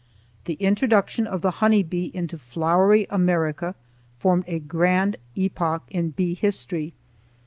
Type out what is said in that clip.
The introduction of the honey bee into flowery America formed a grand epoch in bee history.